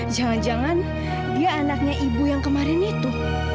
jangan jangan dia anaknya ibu yang kemarin itu